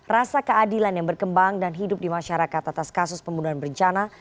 rasa keadilan yang berkembang dan hidup di masyarakat atas kasus pembunuhan berencana